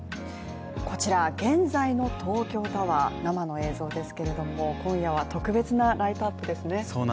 こちら現在の東京タワー生の映像ですけれども、今夜は特別なライトアップですね